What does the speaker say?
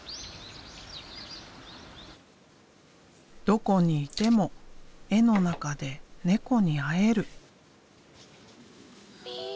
どこにいても絵の中で猫に会える。